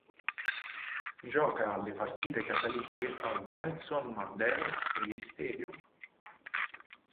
Gioca le partite casalinghe al Nelson Mandela Bay Stadium.